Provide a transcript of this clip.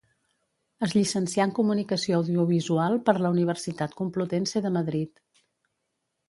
Es llicencià en Comunicació Audiovisual per la Universitat Complutense de Madrid.